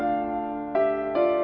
gak ada apa apa